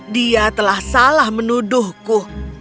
dia telah salah menuduhku